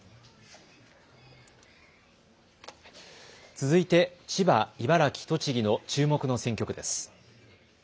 続いて千葉、茨城、栃木の注目の選挙区です。